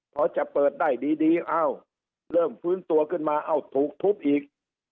พอจะเปิดได้ดีเอ้าเริ่มฟื้นตัวขึ้นมาเอ้าถูกทุบอีก